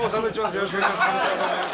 よろしくお願いします